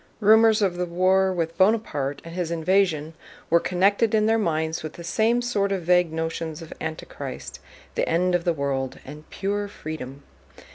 Rumors of the war with Bonaparte and his invasion were connected in their minds with the same sort of vague notions of Antichrist, the end of the world, and "pure freedom."